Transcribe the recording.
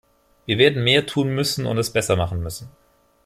Wir werden mehr tun müssen und es besser machen müssen.